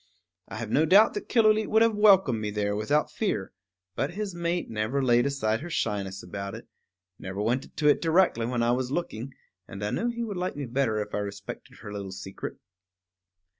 I have no doubt that Killooleet would have welcomed me there without fear; but his mate never laid aside her shyness about it, never went to it directly when I was looking, and I knew he would like me better if I respected her little secret.